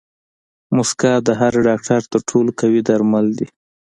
موسکا د هر ډاکټر تر ټولو قوي درمل دي.